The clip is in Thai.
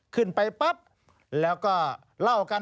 ขึ้นไปปั๊บแล้วก็เล่ากัน